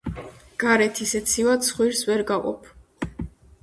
გარეთ ისე ცივა, ცხვირს ვერ გაყოფ